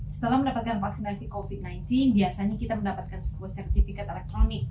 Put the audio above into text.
setelah mendapatkan vaksinasi covid sembilan belas biasanya kita mendapatkan sebuah sertifikat elektronik